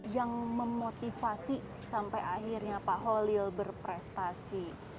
yang memotivasi sampai akhirnya pak holil berprestasi